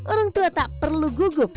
orang tua tak perlu gugup